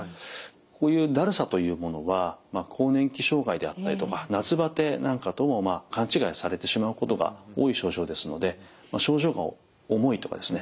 こういうだるさというものは更年期障害であったりとか夏バテなんかとも勘違いされてしまうことが多い症状ですので症状が重いとかですね